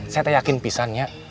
saya yakin pisannya